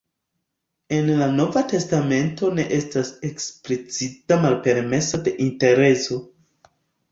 En la nova testamento ne estas eksplicita malpermeso de interezo.